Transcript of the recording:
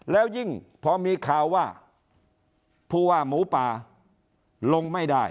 แล้วยิ่งพอมีข่าวว่าผู้ว่าหมูป่าลงไม่ได้